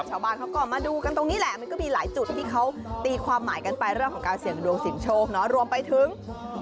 ชาวบ้านเขาก็มาดูกันตรงนี้แหละมันก็มีหลายจุดที่เขาตีความหมายกันไปเรื่องของการเสี่ยงดวงเสียงโชคเนาะรวมไปถึง